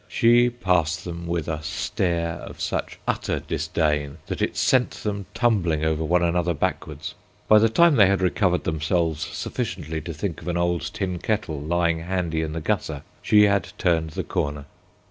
She passed them with a stare of such utter disdain that it sent them tumbling over one another backwards. By the time they had recovered themselves sufficiently to think of an old tin kettle lying handy in the gutter she had turned the corner.